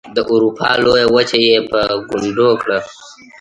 د اروپا لویه وچه یې په ګونډو کړه.